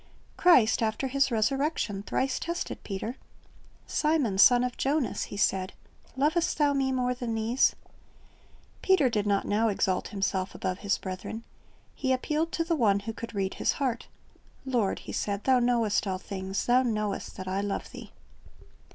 Christ after His resurrection thrice tested Peter. "Simon, son of Jonas," He said, "lovest thou Me more than these?" Peter did not now exalt himself above his brethren. He appealed to the One who could read his heart. "Lord," he said, "Thou knowest all things; Thou knowest that I love Thee."'